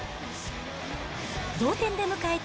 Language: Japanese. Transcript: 同点で迎えた